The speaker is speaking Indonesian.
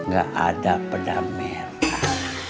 gak ada peda merah